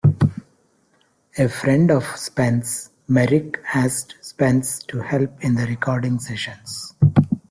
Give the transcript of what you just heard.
A friend of Spence, Merrick asked Spence to help in the recording sessions.